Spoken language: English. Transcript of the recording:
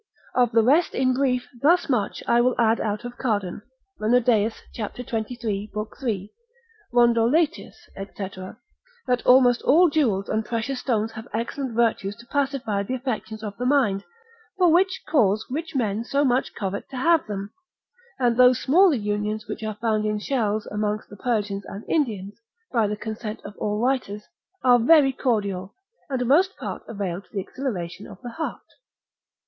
Of the rest in brief thus much I will add out of Cardan, Renodeus, cap. 23. lib. 3. Rondoletius, lib. 1. de Testat. c. 15. &c. That almost all jewels and precious stones have excellent virtues to pacify the affections of the mind, for which cause rich men so much covet to have them: and those smaller unions which are found in shells amongst the Persians and Indians, by the consent of all writers, are very cordial, and most part avail to the exhilaration of the heart.